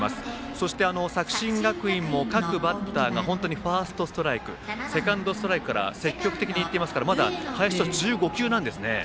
そして、作新学院も各バッターが本当にファーストストライクセカンドストライクから積極的にいっていますからまだ林は１５球なんですね。